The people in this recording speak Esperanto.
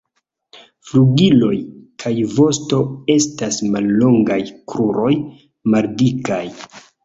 Flugiloj kaj vosto estas mallongaj, kruroj maldikaj.